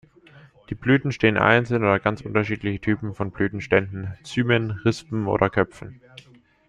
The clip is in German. Die Blüten stehen einzeln oder ganz unterschiedliche Typen von Blütenständen: Zymen, Rispen oder Köpfen.